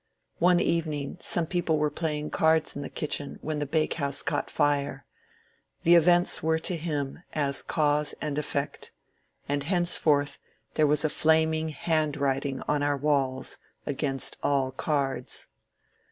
One even ing some people were playing cards in the kitchen when the bakehouse caught fire ; the events were*to him as cause and effect, and henceforth there was a flaming handwriting on our walls against all cards.